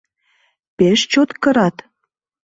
Пеш чот кырат?